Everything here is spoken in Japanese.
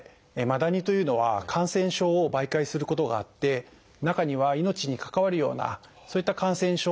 マダニというのは感染症を媒介することがあって中には命に関わるようなそういった感染症もあります。